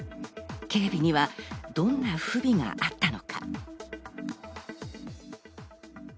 警備にはどんな不備があったのか？